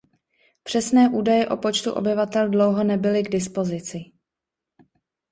Přesné údaje o počtu obyvatel dlouho nebyly k dispozici.